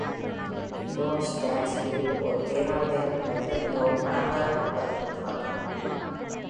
John Stansfield ஒரு பேரறிஞர் மற்றும் மிகவும் பணக்கார குடும்பத்திலிருந்து வந்தவர்.